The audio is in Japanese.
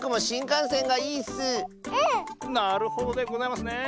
なるほどでございますね。